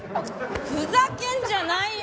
ふざけんじゃないよ！